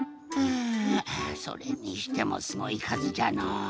あそれにしてもすごいかずじゃの。